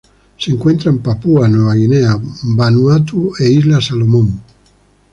Se encuentra en Papúa Nueva Guinea, Vanuatu e Islas Salomón.